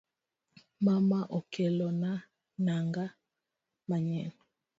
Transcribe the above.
Mama okelona nang'a manyien